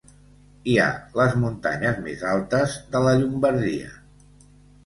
Hi ha les muntanyes més altes de la Llombardia.